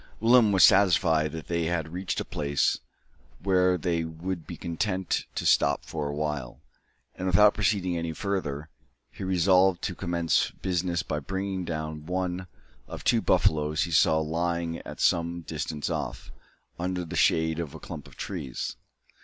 Willem was satisfied that they had reached a place where they would be content to stop for a while; and, without proceeding any farther, he resolved to commence business by bringing down one of two buffaloes he saw lying at some distance off, under the shade of a clump of trees.